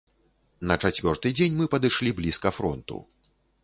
На чацвёрты дзень мы падышлі блізка фронту.